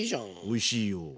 おいしいよ。